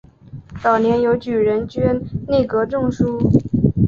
早年由举人捐内阁中书。